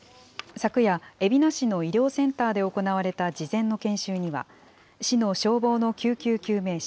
昨夜、海老名市の医療センターで行われた事前の研修には、市の消防の救急救命士